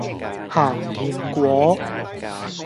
鹹甜粿